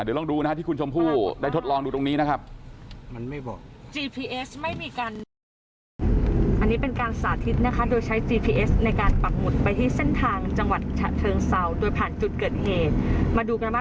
เดี๋ยวลองดูนะฮะที่คุณชมพู่ได้ทดลองดูตรงนี้นะครับ